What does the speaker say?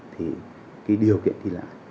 thì điều kiện đi lại